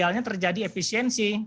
halnya terjadi efisiensi